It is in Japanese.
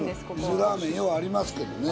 ゆずラーメンようありますけどね。